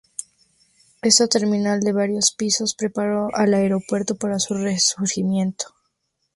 Esta terminal de varios pisos preparó al aeropuerto para su resurgimiento.